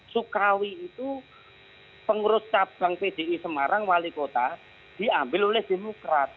sukawi itu pengurus cabang pdi semarang wali kota diambil oleh demokrat